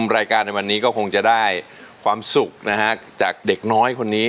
รายการในวันนี้ก็คงจะได้ความสุขนะฮะจากเด็กน้อยคนนี้